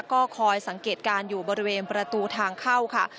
ก็คอยสังเกตการณ์อยู่บริเวณประตูทางเข้าค่ะ